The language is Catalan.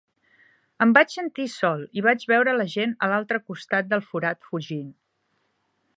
Em vaig sentir sol i vaig veure la gent a l'altre costat del forat fugint.